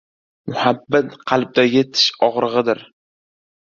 Muhabbat qalbdagi tishog‘rig‘idir.